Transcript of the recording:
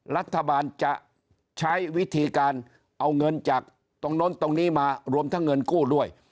รัฐบาลจะใช้วิธีการเอาเงินจากตรงโน้นตรงนี้มารวมทั้งเงินกู้ด้วย